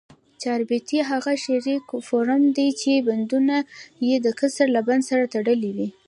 چاربیتې هغه شعري فورم دي، چي بندونه ئې دکسر له بند سره تړلي وي.